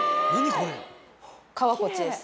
皮こっちです。